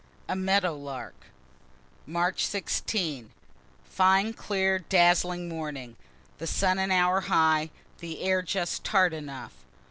A MEADOW LARK March 16. Fine, clear, dazzling morning, the sun an hour high, the air just tart enough.